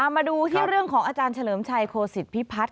มาดูที่เรื่องของอาจารย์เฉลิมชัยโคศิษฐพิพัฒน